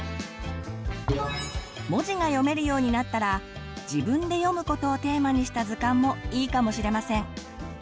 文字が読めるようになったら「自分で読むこと」をテーマにした図鑑もいいかもしれません。